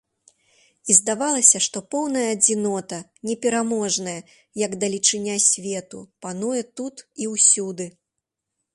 І здавалася, што поўная адзінота, непераможная, як далечыня свету, пануе тут і ўсюды.